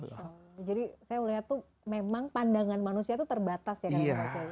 jadi saya melihat memang pandangan manusia itu terbatas ya